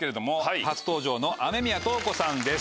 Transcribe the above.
初登場の雨宮塔子さんです。